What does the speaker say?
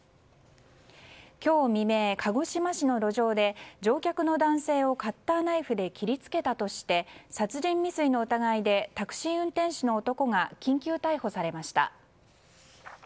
今日未明、鹿児島市の路上で乗客の男性をカッターナイフで切り付けたとして殺人未遂の疑いでタクシー運転手の男が緊急逮捕されました。